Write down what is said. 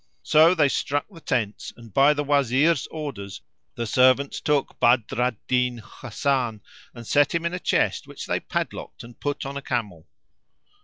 So they struck the tents and by the Wazir's orders the servants took Badr al Din Hasan, and set him in a chest which they padlocked and put on a camel.